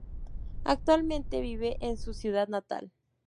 Actualmente vive en su ciudad natal.